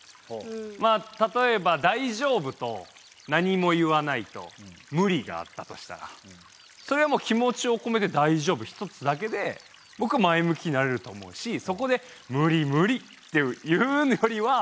まあ例えば「大丈夫」と「なにも言わない」と「無理」があったとしたらそれはもう気持ちをこめて「大丈夫」ひとつだけで僕は前向きになれると思うしそこで「無理無理」って言うよりはめちゃくちゃいい。